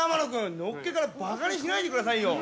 のっけからばかにしないでくださいよ！